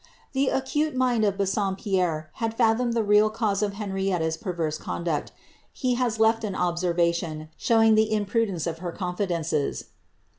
Qte mind of Bassompierre had fiithomed the real cause of Hen rverse conduct. He has left an observation, showing the im of her confidences.